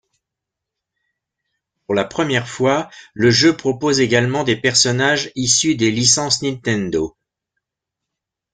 Pour la première fois, le jeu propose également des personnages issus des licences Nintendo.